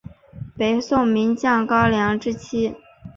北宋名将高琼之妻。